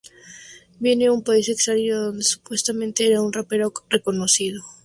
Viene de un país extraño, donde supuestamente era un rapero reconocido.